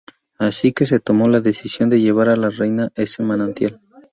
Así que se tomó la decisión de llevar a la reina a ese manantial.